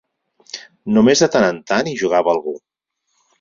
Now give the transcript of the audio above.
Només de tant en tant hi jugava algú.